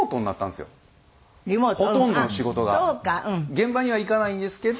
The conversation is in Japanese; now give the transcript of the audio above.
現場には行かないんですけど。